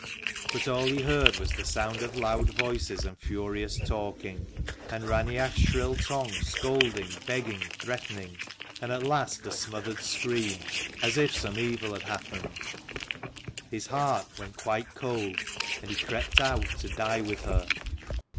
But all he heard was the sound of loud voices, and furious talking, and Raineach's shrill tongue scolding, begging, threatening; and at last a smothered scream, as if some evil had happened. His heart went quite cold, and he crept out to die with her.